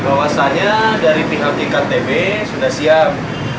ini bahwasannya dari pihak tktb sudah siap